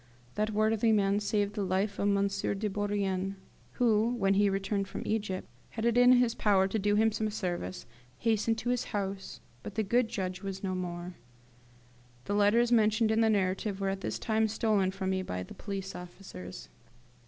That worthy man saved the life of M. de Bourrienne, who, when he returned from Egypt, and had it in his power to do him some service, hastened to his house; but the good judge was no more! The letters mentioned in the narrative were at this time stolen from me by the police officers.